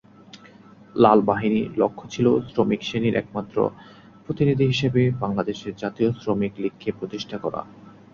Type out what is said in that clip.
লাল বাহিনীর লক্ষ্য ছিল শ্রমিক শ্রেণির একমাত্র প্রতিনিধি হিসেবে বাংলাদেশ জাতীয় শ্রমিক লীগকে প্রতিষ্ঠিত করা।